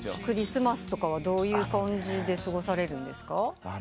クリスマスとかはどういう感じで過ごされるんですか？